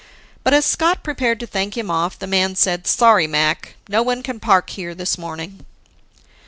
But, as Scott prepared to thank him off, the man said, "Sorry, Mac, no one can park there this morning."